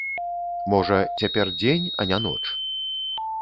Можа, цяпер дзень, а не ноч?